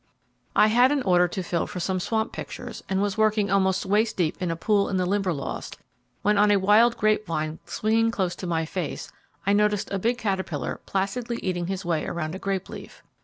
I had an order to fill for some swamp pictures, and was working almost waist deep in a pool in the Limberlost, when on a wild grape vine swinging close to my face, I noticed a big caterpillar placidly eating his way around a grape leaf.